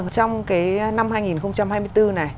trong cái năm hai nghìn hai mươi bốn này